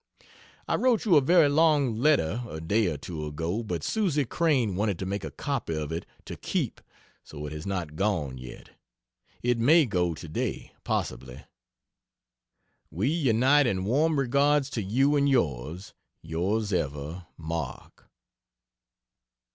I wrote you a very long letter a day or two ago, but Susy Crane wanted to make a copy of it to keep, so it has not gone yet. It may go today, possibly. We unite in warm regards to you and yours. Yrs ever, MARK.